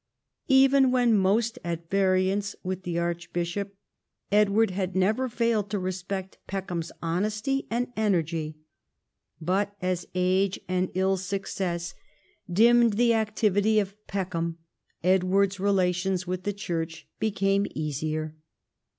Even when most at variance with the archbishop Edward had never failed to respect Peckham's honesty and energy. But as age and ill success dimmed the 160 EDWARD I chai . activity of Peckham Edward's relations with the Church became easier.